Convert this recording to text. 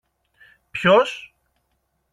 Ποιος;